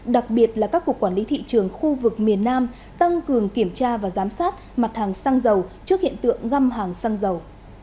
đặc biệt là các cục quản lý thị trường khu vực miền nam tăng cường kiểm tra và giám sát mặt hàng xăng dầu trước hiện tượng găm hàng xăng dầu